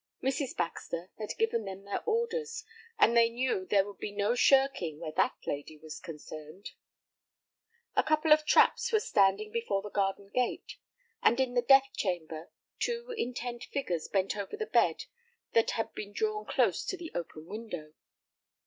Mrs. Baxter had given them their orders, and they knew there would be no shirking where that lady was concerned. A couple of traps were standing before the garden gate, and in the death chamber two intent figures bent over the bed that had been drawn close to the open window.